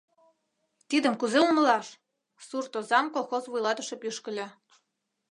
Тидым кузе умылаш? — сурт озам колхоз вуйлатыше пӱшкыльӧ.